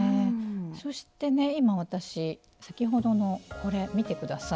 そしてね今私先ほどのこれ見てください。